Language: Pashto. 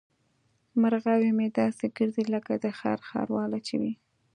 مرغاوۍ مې داسې ګرځي لکه د ښار ښارواله چې وي.